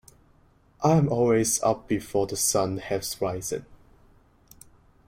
I'm always up before the sun has risen.